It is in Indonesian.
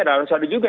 ada harus ada juga